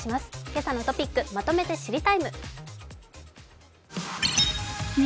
「けさのトピックまとめて知りＴＩＭＥ，」。